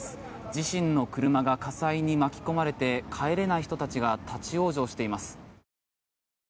自身の車が火災に巻き込まれて帰れない人たちが立ち往生しています。